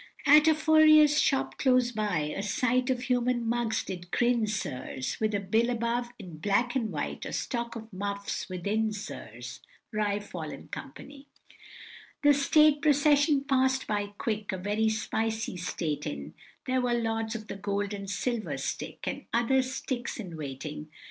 At a furrier's shop close by, a sight Of human mugs did grin, sirs, With a bill above, in black and white, "A stock of muffs within, sirs!" Ri fol, &c. The state procession pass'd by quick, A very spicy state in, There were Lords of the Gold and Silver Stick, And other sticks in waiting.